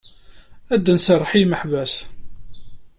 Ad d-nserreḥ i yimeḥbas.